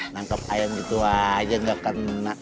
nangkep ayam gitu aja nggak kena